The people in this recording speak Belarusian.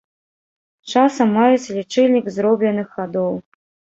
Часам маюць лічыльнік зробленых хадоў.